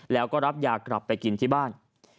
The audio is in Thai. แล้วก็รับยากลับไปกินที่บ้าน